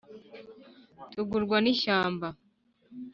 Tugurwa n'ishyamba